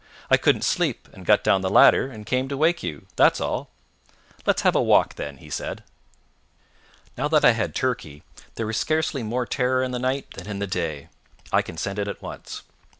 I couldn't sleep, and got down the ladder, and came to wake you that's all." "Let's have a walk, then," he said. Now that I had Turkey, there was scarcely more terror in the night than in the day. I consented at once.